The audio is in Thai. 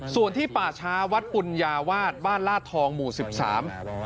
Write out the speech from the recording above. ส่วนที่ป่าช้าวัดปุญญาวาสบ้านลาดทองหมู่สิบสาม